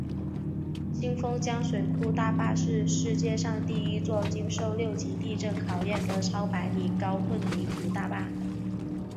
新丰江水库大坝是世界上第一座经受六级地震考验的超百米高混凝土大坝。